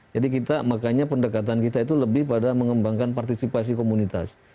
jadi kita makanya pendekatan kita itu lebih pada mengembangkan partisipasi komunitas